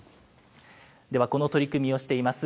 では、この取り組みをしています